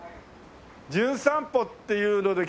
『じゅん散歩』っていうので来ました